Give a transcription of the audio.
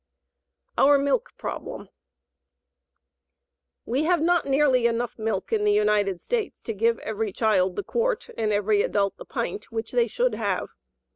OUR MILK PROBLEM We have not nearly enough milk in the United States to give every child the quart and every adult the pint which they should have.